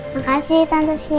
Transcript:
makasih tante sienna